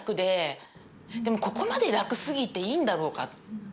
でもここまで楽すぎていいんだろうか。